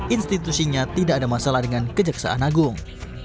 institusinya tidak ada masalah dengan kejaksaan agung